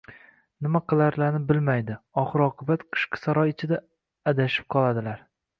Nima qilishlarini bilmaydi. Oxir-oqibat, Qishki saroy ichida... adashib qoladilar!